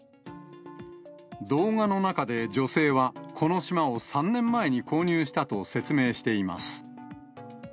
動画の中で女性は、この島を３年前に購入したと説明しています。